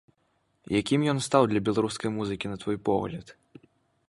Якім ён стаў для беларускай музыкі, на твой погляд?